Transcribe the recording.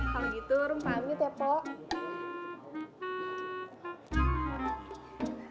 kalau gitu rum pamit ya pok